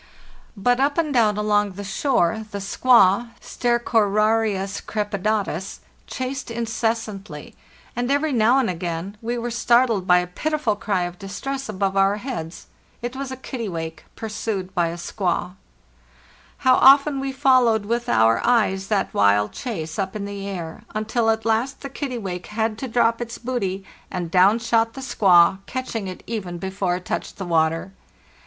But up and down along the shore the skua (Stercorarius crepidatus) chased incessantly, and every now and again we were startled bya pitiful cry of distress above our heads; it was a kittiwake pursued by a skua. "IN THE WATER LAY WALRUSES " How often we followed with our eyes that wild chase up in the air, until at last the kittiwake had to drop its booty, and down shot the skua, catching it even before it touched the water!